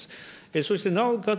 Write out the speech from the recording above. そしてなおかつ